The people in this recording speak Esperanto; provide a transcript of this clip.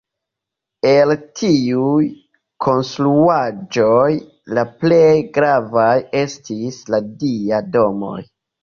El tiuj konstruaĵoj, la plej gravaj estis la dia domoj.